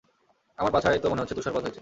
আমার পাছায় তো মনেহচ্ছে তুষারপাত হয়েছে।